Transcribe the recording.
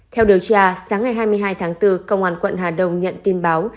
theo điều tra sáng ngày hai mươi hai tháng bốn công an quận hà đông nhận tin báo